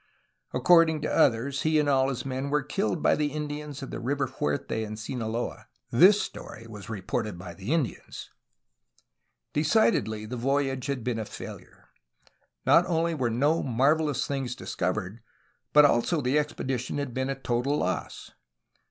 According to others 50 A HISTORY OF CALIFORNIA he and all his men were killed by the Indians of the River Fuerte in Sinaloa; this story was reported by the Indians. Decidedly, the voyage had been a failure. Not only were no marvelous things discovered, but also the expedition had been a total loss.